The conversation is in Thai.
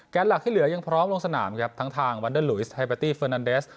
หลักที่เหลือยังพร้อมลงสนามครับทั้งทางวันเดอร์ลุยสไฮเบตี้เฟอร์นันเดส